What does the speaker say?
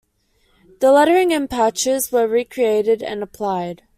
The lettering and patches were recreated and applied.